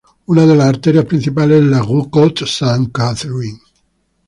Una de las arterias principales es la "rue Côte-Sainte-Catherine".